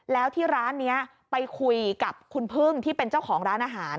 แล้วที่ร้านนี้ไปคุยกับคุณพึ่งที่เป็นเจ้าของร้านอาหาร